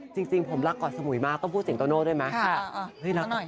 จริงผมรักเกาะสมุยมากต้องพูดเสียงโตโน่ด้วยไหม